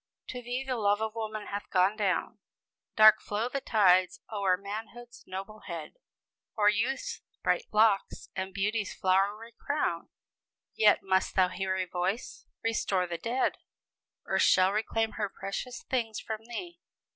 "To thee the love of woman hath gone down; Dark flow the tides o'er manhood's noble head, Or youth's bright locks, and beauty's flowery crown; Yet must thou hear a voice Restore the dead! Earth shall reclaim her precious things from thee!